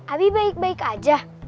abi baik baik aja